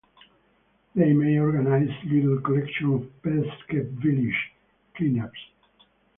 They may organise litter collections or "best kept village" cleanups.